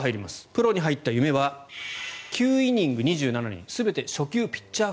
プロに入った夢は９イニング、２７人全て初球ピッチャー